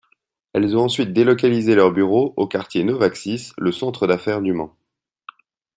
Elles ont ensuite délocalisé leurs bureaux au quartier Novaxis, le centre d'affaires du Mans.